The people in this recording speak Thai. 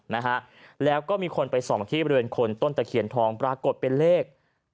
นะฮะแล้วก็มีคนไปส่องที่บริเวณคนต้นตะเคียนทองปรากฏเป็นเลข